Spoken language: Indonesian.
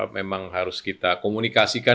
memang harus kita komunikasikan